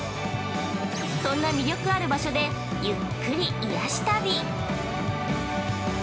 そんな魅力ある場所でゆっくり癒やし旅！